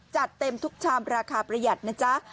จัดเต็มทุกชามราคาประหยัดนะจ๊ะ